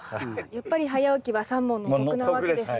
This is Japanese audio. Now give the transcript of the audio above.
やっぱり早起きは三文の徳なわけですね。